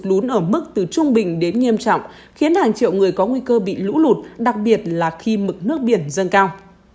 lún ở mức từ trung bình đến nghiêm trọng khiến hàng triệu người có nguy cơ bị lũ lụt đặc biệt là khi mực nước biển dâng cao